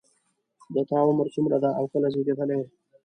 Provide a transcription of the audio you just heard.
د تا عمر څومره ده او کله زیږیدلی یې